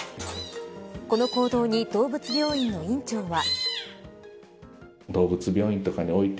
この行動に動物病院の院長は。